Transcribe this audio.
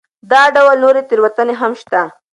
دا ډول نورې تېروتنې هم شته.